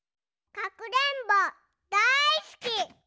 かくれんぼだいすき！